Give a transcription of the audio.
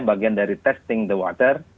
bagian dari testing the water